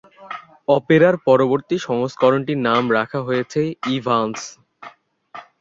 অপেরার পরবর্তী সংস্করণটির নাম রাখা হয়েছে 'ইভানস'।